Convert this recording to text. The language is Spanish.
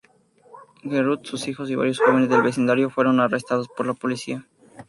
Gertrude, sus hijos, y varios jóvenes del vecindario fueron arrestados por la policía.